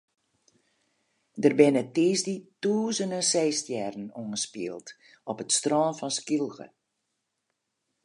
Der binne tiisdei tûzenen seestjerren oanspield op it strân fan Skylge.